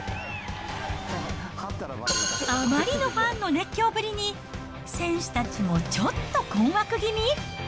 あまりのファンの熱狂ぶりに、選手たちもちょっと困惑気味。